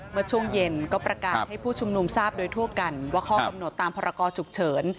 เมื่อช่วงเย็นก็ประกาศให้ผู้ชุมนุมทราบโดยทั่วกันว่าข้อกำหนดตามพรกรฉุกเฉิน